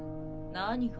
何が？